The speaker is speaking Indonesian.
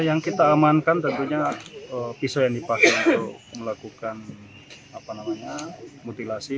yang kita amankan tentunya pisau yang dipakai untuk melakukan mutilasi